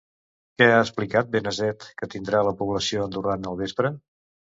Què ha explicat Benazet que tindrà la població andorrana al vespre?